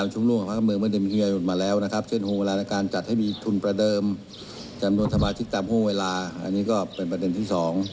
จำนวนสมาชิกตามห้วงเวลาอันนี้ก็เป็นประเด็นที่๒